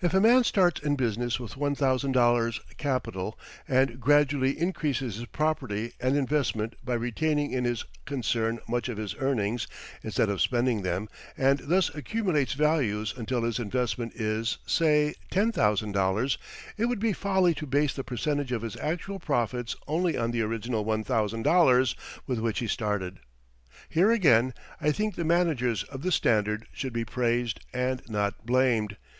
If a man starts in business with $1,000 capital and gradually increases his property and investment by retaining in his concern much of his earnings, instead of spending them, and thus accumulates values until his investment is, say, $10,000, it would be folly to base the percentage of his actual profits only on the original $1,000 with which he started. Here, again, I think the managers of the Standard should be praised, and not blamed.